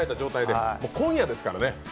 今夜ですからね。